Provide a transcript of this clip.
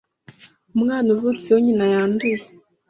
umwana uvutse iyo nyina yanduye,